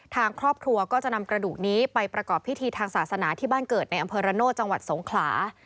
ทางครอบครัวก็จะนำกระดูกนี้ไปประกอบพิธีทางศาสนาที่บ้านเกิดในอำเภอระโนธจังหวัดสงขลา